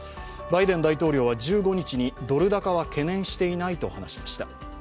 バイデン大統領は１５日にドル高は懸念していないと話しました。